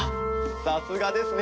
さすがですね